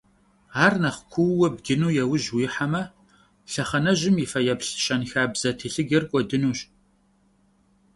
Ар нэхъ куууэ бджыну яужь уихьэмэ, лъэхъэнэжьым и фэеплъ щэнхабзэ телъыджэр кӀуэдынущ.